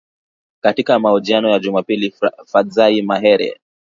Katika mahojiano ya Jumapili Fadzayi Mahere